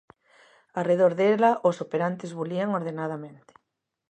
Arredor dela, os operantes bulían ordenadamente.